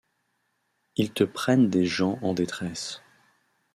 Ils te prennent des gens en détresse.